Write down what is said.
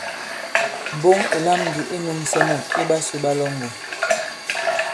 Mboŋ ì lam ndī i nūmsɛ mût iɓasū ɓa Lɔ̌ŋgòn.